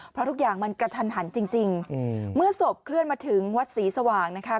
เพราะทุกอย่างมันกระทันหันจริงเมื่อศพเคลื่อนมาถึงวัดศรีสว่างนะคะ